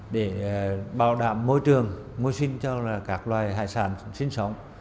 để bảo đảm môi trường môi sinh cho các loài hải sản sinh sống